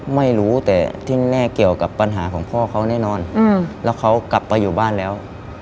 ไม่รู้แต่ที่แน่เกี่ยวกับปัญหาของพ่อเขาแน่นอนแล้วเขากลับไปอยู่บ้านแล้ว